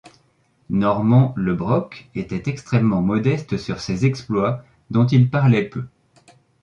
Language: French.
Norman Le Brocq était extrêmement modeste sur ses exploits, dont il parlait peu.